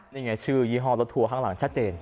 นี่ไงชื่อยี่ห้อรถทัวร์ข้างหลังชัดเจน